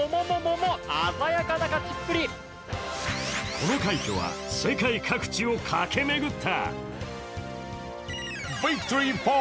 この快挙は世界各地を駆け巡った。